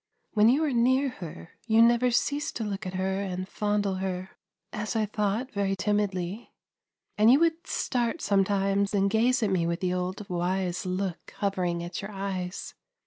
When you were near her you never ceased to look at her and fondle her, as I thought very timidly ; and you would start some THE FORGE IN THE VALLEY 357 times and gaze at me with the old wise look hovering at your eyes.